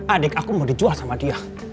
adik aku mau dijual sama dia